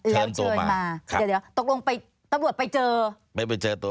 เชิญตัวมาครับเดี๋ยวเดี๋ยวตกลงไปต้องบอกว่าไปเจอไปไปเจอตัว